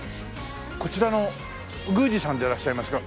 こちらの宮司さんでいらっしゃいますか？